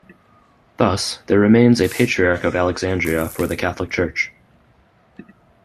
Thus, there remains a Patriarch of Alexandria for the Catholic Church.